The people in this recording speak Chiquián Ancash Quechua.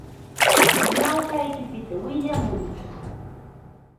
Markaypita willamuy.